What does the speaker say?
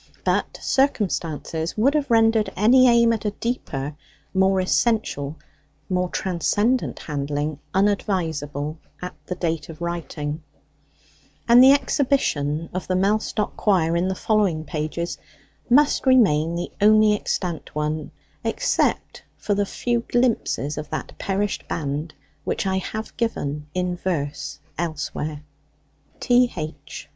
But circumstances would have rendered any aim at a deeper, more essential, more transcendent handling unadvisable at the date of writing; and the exhibition of the Mellstock Quire in the following pages must remain the only extant one, except for the few glimpses of that perished band which I have given in verse elsewhere. T. H.